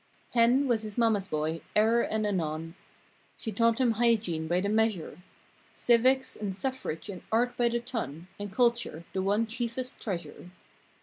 "Hen" was his mamma's boy, e'er and anon; She taught him hygiene, by the measure; Civics and suffrage and art by the ton. And culture—the one chiefest treasure.